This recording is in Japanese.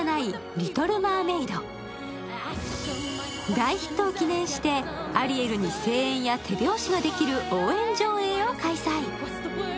大ヒットを記念してアリエルに声援や手拍子ができる応援上映を開催。